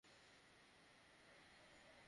এখানে সব আছে, পাপি।